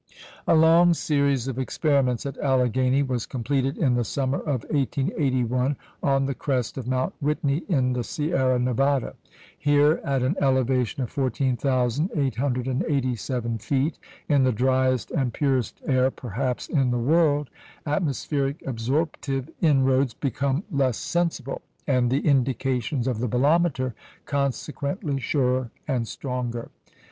A long series of experiments at Allegheny was completed in the summer of 1881 on the crest of Mount Whitney in the Sierra Nevada. Here, at an elevation of 14,887 feet, in the driest and purest air, perhaps, in the world, atmospheric absorptive inroads become less sensible, and the indications of the bolometer, consequently, surer and stronger.